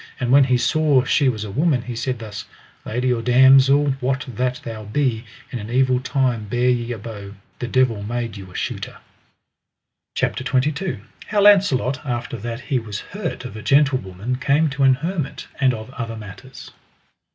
And when he saw she was a woman, he said thus: Lady or damosel, what that thou be, in an evil time bear ye a bow; the devil made you a shooter. CHAPTER XXII. How Launcelot after that he was hurt of a gentlewoman came to an hermit, and of other matters.